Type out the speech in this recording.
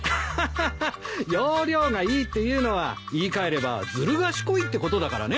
ハハハ要領がいいっていうのは言い換えればずる賢いってことだからね。